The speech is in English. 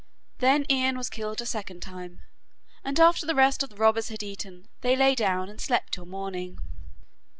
Then Ian was killed a second time, and after the rest of the robbers had eaten, they lay down and slept till morning.